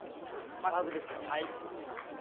サーブですよ。